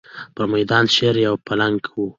پر مېدان شېر و یا پلنګ و.